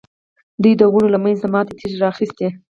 دوی د ونو له منځه ماتې تېږې را اخیستې.